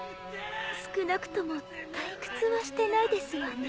少なくとも退屈はしてないですわね。